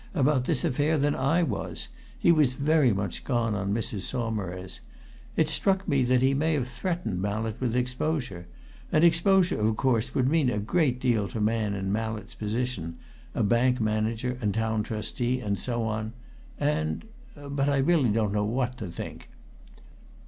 about this affair than I was: he was very much gone on Mrs. Saumarez. It's struck me that he may have threatened Mallett with exposure; and exposure, of course, would mean a great deal to a man in Mallett's position a bank manager, and Town Trustee, and so on. And But I really don't know what to think."